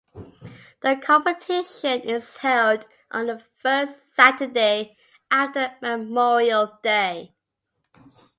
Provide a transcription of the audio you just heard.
The competition is held on the first Saturday after Memorial Day.